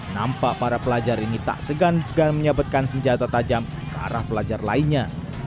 nampak para pelajar ini tak segan segan menyabetkan senjata tajam ke arah pelajar lainnya